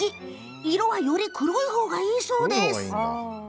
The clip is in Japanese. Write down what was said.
色は、より黒い方がいいそうです。